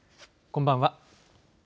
こんばんは。